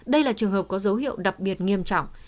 đây là trường hợp có dấu hiệu đặc biệt nghiêm trọng